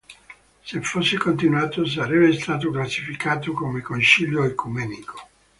Se fosse continuato, sarebbe stato classificato come concilio ecumenico.